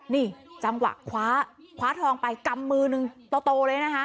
นี่จังหวะคว้าคว้าทองไปกำมือนึงโตเลยนะคะ